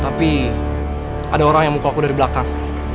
tapi ada orang yang muka aku dari belakang